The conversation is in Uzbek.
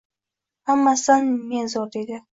Hammasidan men zo‘r deydi.